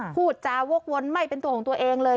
พูดจาวกวนไม่เป็นตัวของตัวเองเลย